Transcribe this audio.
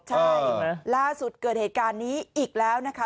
ใช่ล่าสุดเกิดเหตุการณ์นี้อีกแล้วนะคะ